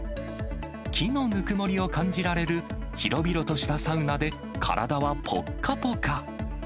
木のぬくもりを感じられる、広々としたサウナで、体はぽっかぽか。